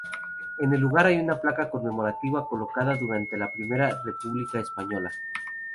En el lugar hay una placa conmemorativa colocada durante la Primera República Española.